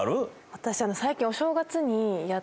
私